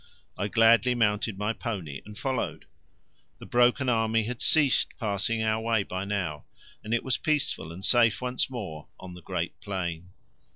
I gladly mounted my pony and followed. The broken army had ceased passing our way by now, and it was peaceful and safe once more on the great plain.